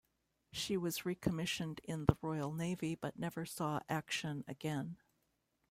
She was recommissioned in the Royal Navy but never saw action again.